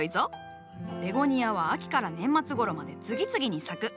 ベゴニアは秋から年末頃まで次々に咲く。